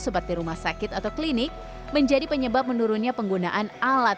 seperti rumah sakit atau klinik menjadi penyebab menurunnya penggunaan alat